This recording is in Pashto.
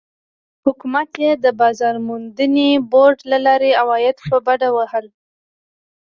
حکومت یې د بازار موندنې بورډ له لارې عواید په بډه وهل.